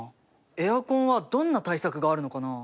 エアコンはどんな対策があるのかな？